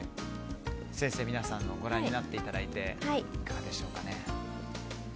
先生、皆さんのをご覧になっていただいていかがでしょうかね。